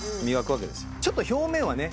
ちょっと表面はね